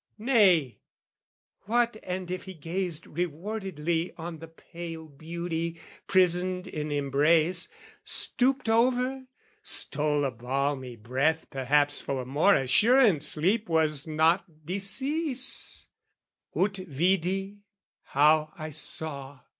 Nay, what and if he gazed rewardedly On the pale beauty prisoned in embrace, Stooped over, stole a balmy breath perhaps For more assurance sleep was not decease "Ut vidi," "how I saw!"